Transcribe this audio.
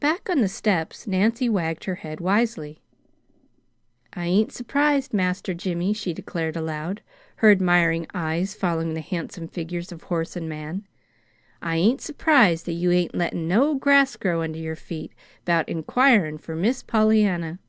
Back on the steps Nancy wagged her head wisely. "I ain't surprised, Master Jimmy," she declared aloud, her admiring eyes following the handsome figures of horse and man. "I ain't surprised that you ain't lettin' no grass grow under your feet 'bout inquirin' for Miss Pollyanna.